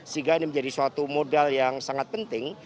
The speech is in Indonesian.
sehingga ini menjadi suatu modal yang sangat penting